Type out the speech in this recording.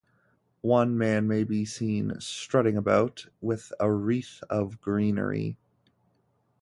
One man may be seen strutting about with a wreath of greenery.